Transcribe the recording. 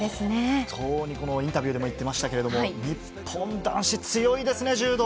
本当に、このインタビューでも言ってましたけど、日本男子、強いですね、柔道！